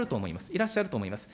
いらっしゃると思います。